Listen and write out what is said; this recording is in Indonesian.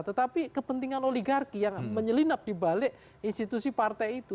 tetapi kepentingan oligarki yang menyelinap dibalik institusi partai itu